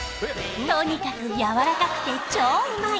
とにかくやわらかくて超うまい！